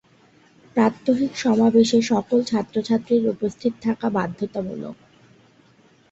প্রাত্যহিক সমাবেশে সকল ছাত্র-ছাত্রীর উপস্থিত থাকা বাধ্যতামূলক।